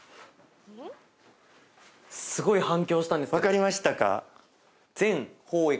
分かりましたか？